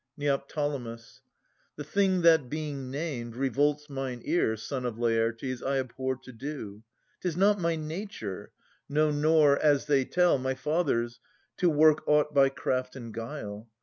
Neo. The thing that, being named, revolts mine ear, Son of Laertes, I abhor to do. 'Tis not my nature, no, nor, as they tell, My father's, to work aught by craft and guile.